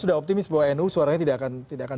sudah optimis bahwa nu suaranya tidak akan